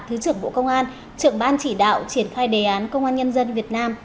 thứ trưởng bộ công an trưởng ban chỉ đạo triển khai đề án công an nhân dân việt nam